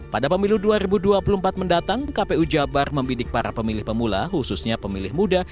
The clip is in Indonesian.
pada pemilu dua ribu dua puluh empat mendatang kpu jabar membidik para pemilih pemula khususnya pemilih muda